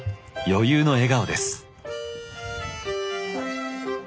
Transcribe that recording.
余裕の笑顔です。